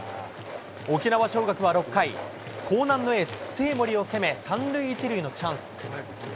沖縄尚学は６回、興南のエース、生盛を攻め、３塁１塁のチャンス。